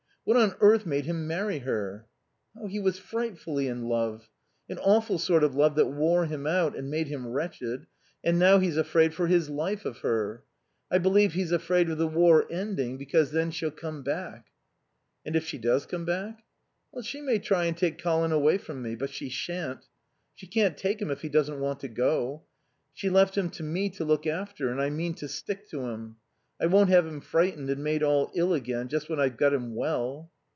What on earth made him marry her?" "He was frightfully in love. An awful sort of love that wore him out and made him wretched. And now he's afraid for his life of her. I believe he's afraid of the war ending because then she'll come back." "And if she does come back?" "She may try and take Colin away from me. But she shan't. She can't take him if he doesn't want to go. She left him to me to look after and I mean to stick to him. I won't have him frightened and made all ill again just when I've got him well."